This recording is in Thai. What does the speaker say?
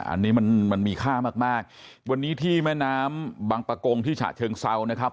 อันนี้มันมันมีค่ามากมากวันนี้ที่แม่น้ำบังปะกงที่ฉะเชิงเซานะครับ